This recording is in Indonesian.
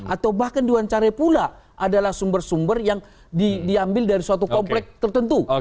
atau bahkan diwawancarai pula adalah sumber sumber yang diambil dari suatu komplek tertentu